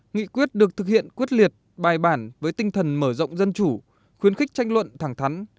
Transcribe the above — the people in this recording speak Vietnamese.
nghị quyết được thực hiện quyết liệt bài bản với tinh thần mở rộng dân chủ khuyến khích tranh luận thẳng thắn